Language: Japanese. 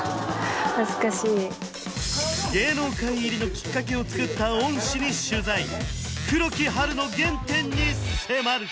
恥ずかしい芸能界入りのきっかけを作った恩師に取材黒木華の原点に迫る！